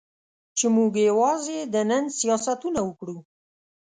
چې موږ یوازې د نن سیاستونه وکړو.